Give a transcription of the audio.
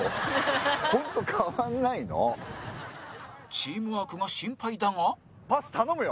チームワークが心配だが豊本：パス、頼むよ。